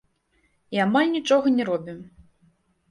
І амаль нічога не робім.